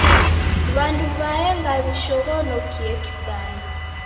W'andu w'aenga w'ishoghonokie kisaya.